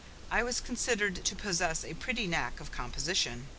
I was considered to possess a pretty knack of composition.